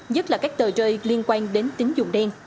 nhất là các tờ rơi liên quan đến tính dụng đen